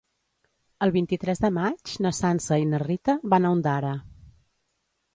El vint-i-tres de maig na Sança i na Rita van a Ondara.